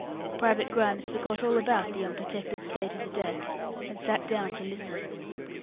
Private Grimes forgot all about the unprotected state of the deck, and sat down to listen.